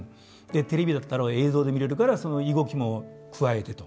テレビだったら映像で見れるから動きも加えてと。